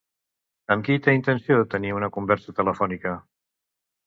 Amb qui té intenció de tenir una conversa telefònica?